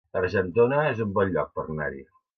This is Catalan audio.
Argentona es un bon lloc per anar-hi